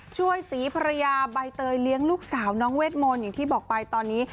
ช่วยสีภรรยาใบเตยเลี้ยงลูกสาวน้องเวทมนต์อย่างที่บอกไปตอนนี้